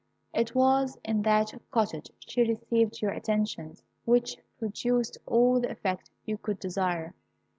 It was in that cottage she received your attentions, which produced all the effect you could desire.